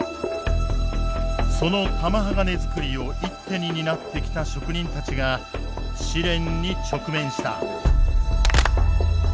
その玉鋼づくりを一手に担ってきた職人たちが試練に直面した。